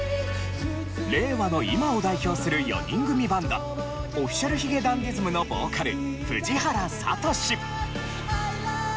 令和の今を代表する４人組バンドＯｆｆｉｃｉａｌ髭男ｄｉｓｍのボーカル藤原聡。